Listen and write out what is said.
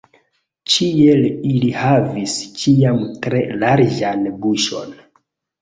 Ĉiel ili havis ĉiam tre larĝan buŝon.